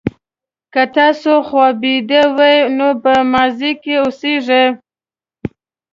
که تاسو خوابدي وئ نو په ماضي کې اوسیږئ.